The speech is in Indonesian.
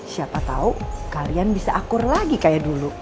siapa tahu kalian bisa akur lagi kayak dulu